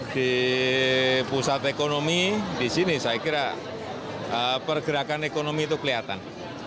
di pusat ekonomi di sini saya kira pergerakan ekonomi itu kelihatan